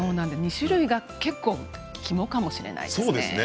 ２種類が結構肝かもしれないですね。